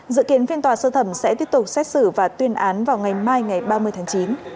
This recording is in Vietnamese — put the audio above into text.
dự kiến phiên tòa sơ thẩm sẽ tiếp tục xét xử và tuyên án vào ngày mai ngày ba mươi tháng chín